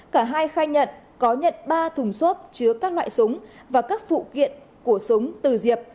cả hai khai nhận có nhận ba thùng xốp chứa các loại súng và các phụ kiện của súng từ diệp